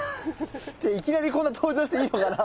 いきなりこんな登場していいのかな。